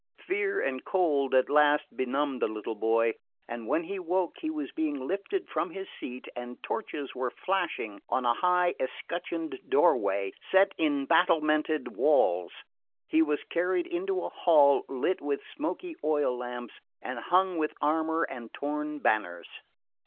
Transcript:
Fear and cold at last benumbed the little boy, and when he woke he was being lifted from his seat and torches were flashing on a high escutcheoned doorway set in battlemented walls. He was carried into a hall lit with smoky oil lamps and hung with armour and torn banners.